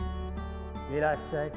いらっしゃい。